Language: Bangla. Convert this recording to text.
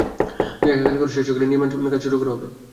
জায়গা খালি করা শেষ হয়ে গেলে, নিমার্ণ কাজ শুরু করা হবে।